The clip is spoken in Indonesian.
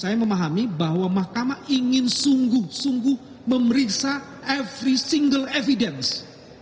saya memahami bahwa mahkamah ingin sungguh sungguh memeriksa setiap bukti